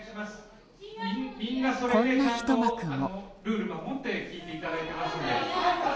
こんなひと幕も。